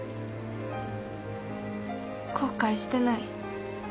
後悔してない？